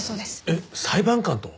えっ裁判官と？